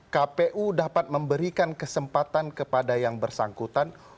kpu dapat memberikan kesempatan kepada yang bersangkutan